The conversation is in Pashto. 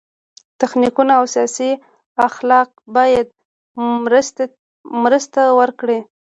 تخنیکونه او سیاسي اخلاق باید مرسته وکړي.